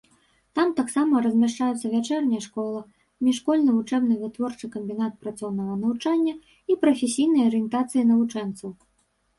Там таксама размяшчаюцца вячэрняя школа, міжшкольны вучэбна-вытворчы камбінат працоўнага навучання і прафесійнай арыентацыі навучэнцаў.